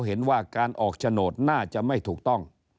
เห็นว่าการออกโฉนดน่าจะไม่ถูกต้อง